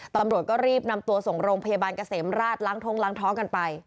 ตำรวจก็รีบนำตัวส่งโรงพยาบาลเกษมราชล้างท้องล้างท้องกันไป